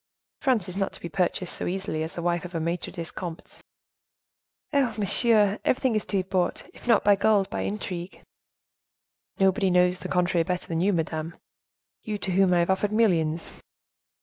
France is not to be purchased so easily as the wife of a maitre des comptes." "Eh! monsieur, everything is to be bought; if not by gold, by intrigue." "Nobody knows to the contrary better than you, madame, you to whom I have offered millions."